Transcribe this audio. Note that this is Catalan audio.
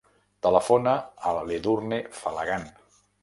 Telefona a l'Edurne Falagan.